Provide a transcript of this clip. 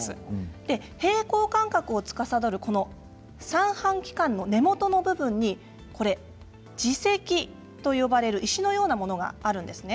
で平衡感覚をつかさどるこの三半規管の根元の部分にこれ耳石と呼ばれる石のようなものがあるんですね。